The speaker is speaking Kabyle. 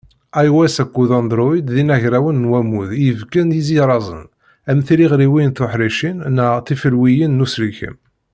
IOS akked Androïd d inagrawen n wammud i ibenken izirazen, am tiliɣriwin tuḥricin neɣ tifelwiyin n uselkem.